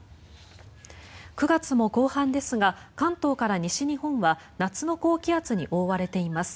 ９月も後半ですが関東から西日本は夏の高気圧に覆われています。